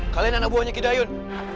kalian anak buahnya gidayun